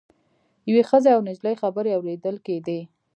یوې ښځې او نجلۍ خبرې اوریدل کیدې.